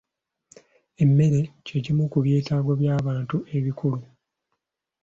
Emmere ky'ekimu ku byetaago by'abantu ebikulu.